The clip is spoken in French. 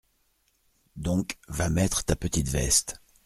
Donc, va mettre ta petite veste.